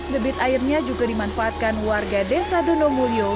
debit airnya juga dimanfaatkan warga desa donomulyo